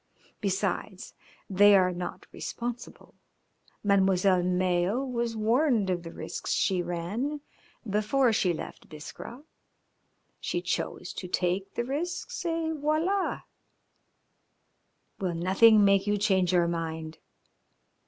Besides, they are not responsible. Mademoiselle Mayo was warned of the risks she ran before she left Biskra. She chose to take the risks, et voila!" "Will nothing make you change your mind?"